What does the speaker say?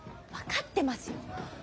分かってますよ。